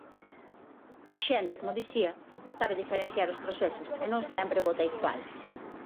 A xente, como dicía, sabe diferenciar os procesos e non sempre vota igual.